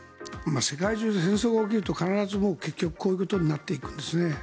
世界中で戦争が起きると必ず、結局こういうことになっていくんですね。